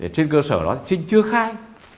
trên cơ sở đó trinh chưa khai